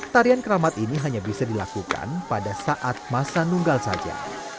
tarian keramat ini hanya bisa dilakukan pada saat masa nunggal saja